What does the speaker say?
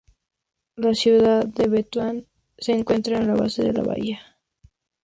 La ciudad de Butuan se encuentra en la base de la bahía.